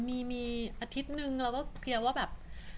มีอาทิตย์นึงเราก็เคลียร์ว่าแบบ